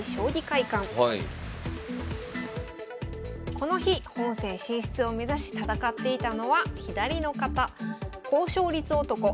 この日本戦進出を目指し戦っていたのは左の方。